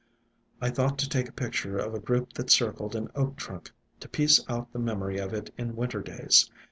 I thought to take a picture of a group that circled an Oak trunk, to piece out the memory of it in winter days.